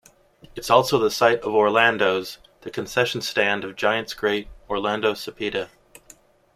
It's also the site of "Orlando's", the concessions stand of Giants great Orlando Cepeda.